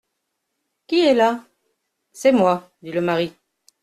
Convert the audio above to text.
«Qui est là ?, C'est moi,» dit le mari.